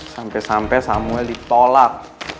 sampe sampe samuel ditolak